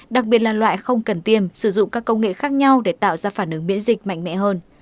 đặc biệt là loại không cần tiêm sử dụng các công nghệ khác nhau để tạo ra phản ứng biễn dịch mạnh mẽ hơn